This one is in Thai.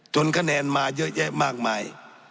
คะแนนมาเยอะแยะมากมาย